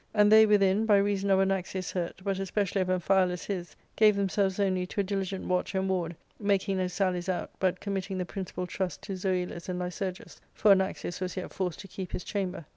And they within, by reason of Anaxius' hurt, but especially of Amphialus his, gave themselves only to a dili gent watch and ward, making no sallies out, but committing the principal trust to Zoilus and Lycurgus ; for Anaxius was yet forced to keep his chamber.